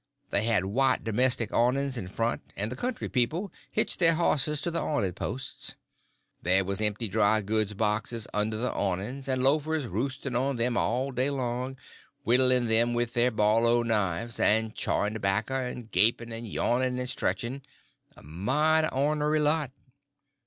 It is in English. They had white domestic awnings in front, and the country people hitched their horses to the awning posts. There was empty drygoods boxes under the awnings, and loafers roosting on them all day long, whittling them with their Barlow knives; and chawing tobacco, and gaping and yawning and stretching—a mighty ornery lot.